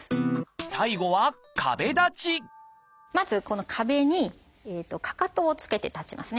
最後はまずこの壁にかかとをつけて立ちますね。